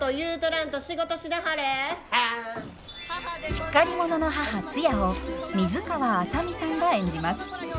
しっかり者の母ツヤを水川あさみさんが演じます。